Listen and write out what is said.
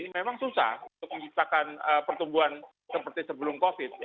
memang susah untuk menciptakan pertumbuhan seperti sebelum covid